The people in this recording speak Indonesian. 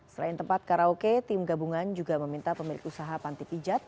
selain tempat karaoke tim gabungan juga meminta pemilik usaha panti pijat